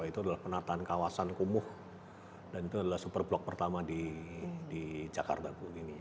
itu adalah penataan kawasan kumuh dan itu adalah super blok pertama di jakarta bu